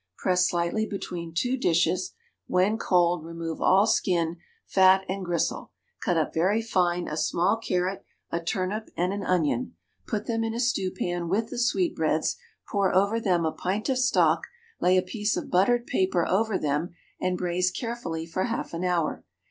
Press slightly between two dishes; when cold, remove all skin, fat, and gristle; cut up very fine a small carrot, a turnip, and an onion; put them in a stewpan with the sweetbreads, pour over them a pint of stock, lay a piece of buttered paper over them, and braise carefully for half an hour.